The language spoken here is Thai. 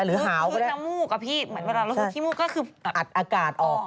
คือน้ำมูกกับพี่เหมือนกับเราแล้วพี่มูกก็คืออัดอากาศออก